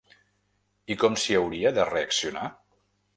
I com s’hi hauria de reaccionar?